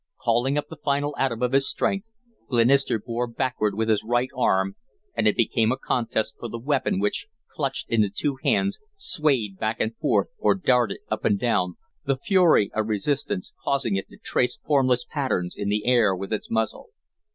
Calling up the final atom of his strength, Glenister bore backward with his right arm and it became a contest for the weapon which, clutched in the two hands, swayed back and forth or darted up and down, the fury of resistance causing it to trace formless patterns in the air with its muzzle.